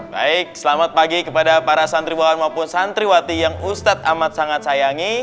baik selamat pagi kepada para santri warahmatullahi wabarakatuh yang ustadz amat sangat sayangi